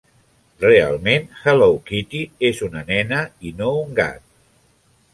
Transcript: Realment, Hello Kitty és una nena i no un gat.